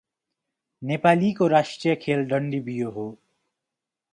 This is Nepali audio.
नेपालीको राष्ट्रिय खेल डण्डिबियो हो ।